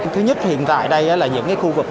thứ nhất hiện tại đây là những khu vực